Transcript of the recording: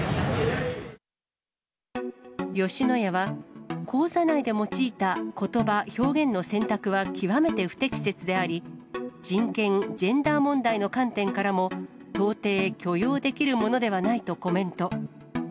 吉野家は、講座内で用いたことば、表現の選択は極めて不適切であり、人権・ジェンダー問題の観点からも、到底許容できるものではないとコメント。